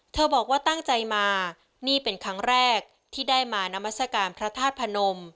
บอกว่าตั้งใจมานี่เป็นครั้งแรกที่ได้มานามัศกาลพระธาตุพนม